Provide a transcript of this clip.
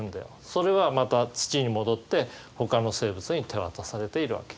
それはまた土に戻ってほかの生物に手渡されているわけ。